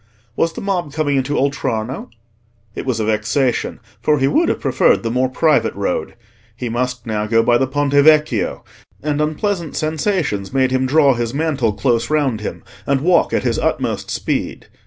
Was the mob coming into Oltrarno? It was a vexation, for he would have preferred the more private road. He must now go by the Ponte Vecchio; and unpleasant sensations made him draw his mantle close round him, and walk at his utmost speed.